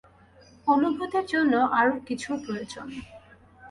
অনুভূতির জন্য আরও কিছুর প্রয়োজন।